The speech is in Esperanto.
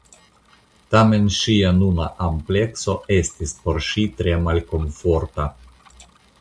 Tamen ŝia nuna amplekso estis por ŝi tre malkomforta.